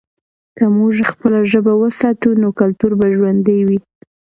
که موږ خپله ژبه وساتو، نو کلتور به ژوندی وي.